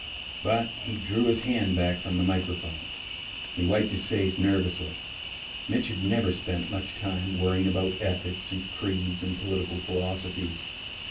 _ But he drew his hand back from the microphone. He wiped his face nervously. Mitch had never spent much time worrying about ethics and creeds and political philosophies.